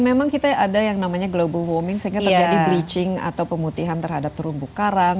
memang kita ada yang namanya global warming sehingga terjadi bleaching atau pemutihan terhadap terumbu karang